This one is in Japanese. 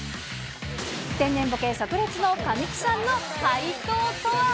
天然ボケ炸裂の神木さんの回答とは？